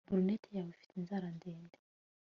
Brunette yawe ifite inzara ndende